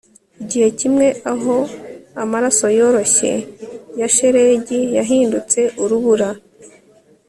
igihe kimwe aho amaraso yoroshye ya shelegi yahindutse urubura